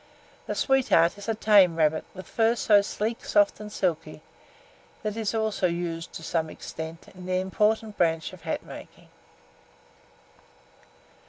The sweetheart is a tame rabbit, with its fur so sleek, soft, and silky, that it is also used to some extent in the important branch of hat making.